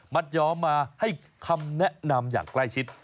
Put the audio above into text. ยอมมาให้คำแนะนำอย่างใกล้ชิด